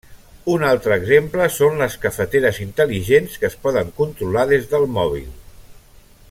Un altre exemple són les cafeteres intel·ligents que es poden controlar des del mòbil.